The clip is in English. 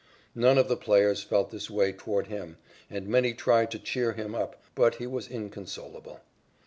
None of the players felt this way toward him, and many tried to cheer him up, but he was inconsolable.